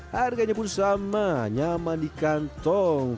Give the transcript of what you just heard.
harganya pun sama nyaman di kantong